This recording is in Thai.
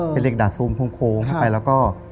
เป็นเหล็กดาดซูมโค้งเข้าไปแล้วก็